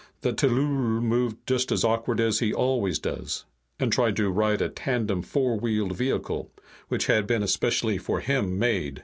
The tllooll moved just as awkward as he always does, and tried to ride a tandem four wheeled vehicle which had been especially for him made."